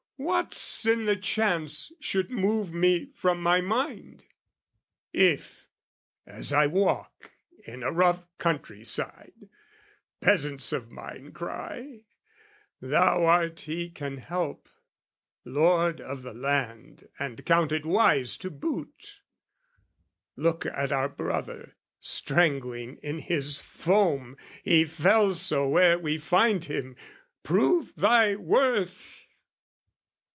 What's in the chance should move me from my mind? If, as I walk in a rough country side, Peasants of mine cry "Thou art he can help, "Lord of the land and counted wise to boot: "Look at our brother, strangling in his foam, "He fell so where we find him, prove thy worth!"